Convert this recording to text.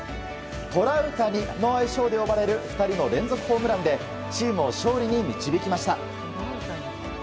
トラウタニの愛称で呼ばれる２人の連続ホームランでチームを勝利に導きました。